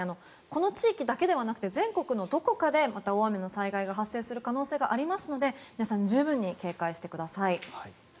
この地域だけではなくて全国のどこかでまた大雨の災害が発生する可能性がありますので皆さん十分に警戒をしてください。